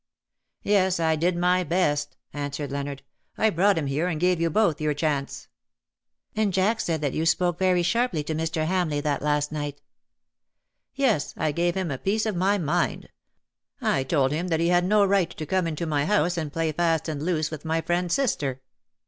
" "Yes, I did my best/' answered Leonard. " I brought him here, and gave you both your chance." *' And Jack said that you spoke very sharply to Mr. Hamleigh that last night.'' " Yes, I gave him a piece of my mind. I told him that he had no right to come into my house and play fast and loose with my friend's sister."